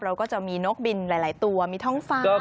เราก็จะมีนกบินหลายตัวมีท้องฟ้ามีทุกอย่าง